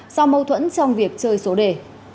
sau mâu thuẫn trong việc chơi số đề